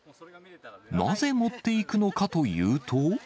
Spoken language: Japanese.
なぜ持っていくのかというと。